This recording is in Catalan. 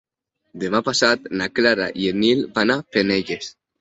Demà passat na Clara i en Nil van a Penelles.